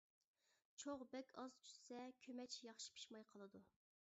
چوغ بەك ئاز چۈشسە كۆمەچ ياخشى پىشماي قالىدۇ.